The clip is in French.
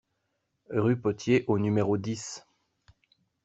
Rue Potier au numéro dix